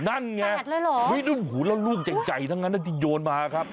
นั่นไงอุ๊ยแล้วลูกใจทั้งนั้นน่ะที่โยนมาครับ